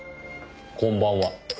こんばんは。